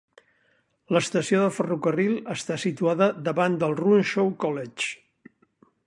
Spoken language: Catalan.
L'estació de ferrocarril està situada davant del Runshaw College.